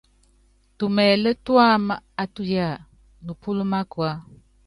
Tumɛlɛ́ tuámá á tuyáa, nupúlɔ́ mákua.